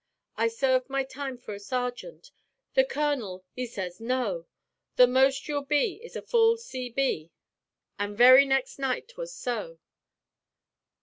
I served my time for a sergeant; The colonel 'e sez No! The most you'll be is a full C.B.'[*] An' very next night 'twas so.